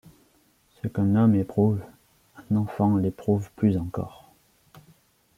Ce qu’un homme éprouve, un enfant l’éprouve plus encore.